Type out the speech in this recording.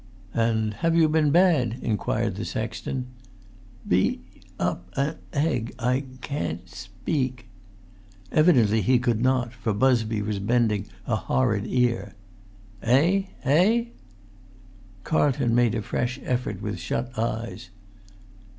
"And have you been bad?" inquired the sexton. "Beat—up—an egg. I—can't—speak." Evidently he could not, for Busby was bending a horrid ear. "Eh? eh?" Carlton made a fresh effort with shut eyes.